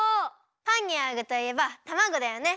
パンにあうぐといえばたまごだよね。